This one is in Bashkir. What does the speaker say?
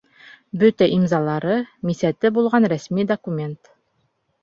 Бөтә имзалары, мисәте булған рәсми документ.